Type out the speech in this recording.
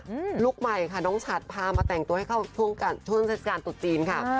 อืมลุกใหม่ค่ะน้องฉันพามาแต่งตัวให้เข้าช่วงการช่วงเศรษฐการตรุษจีนค่ะ